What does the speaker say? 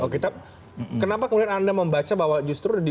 oke tapi kenapa kemudian anda membaca bahwa justru